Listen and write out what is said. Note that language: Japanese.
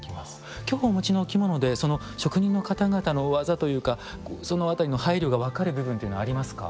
今日お持ちのお着物でその職人の方々の技というかそのあたりの配慮が分かる部分というのはありますか。